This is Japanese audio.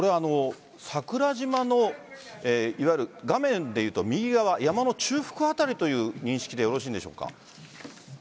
桜島のいわゆる画面でいうと右側山の中腹辺りという認識でよろしいんでしょうか？